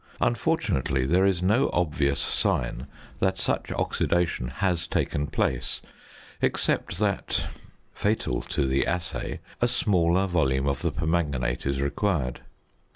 Unfortunately, there is no obvious sign that such oxidation has taken place, except that (fatal to the assay) a smaller volume of the permanganate is required.